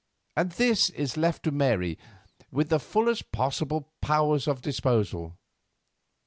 All this is left to Mary with the fullest possible powers of disposal.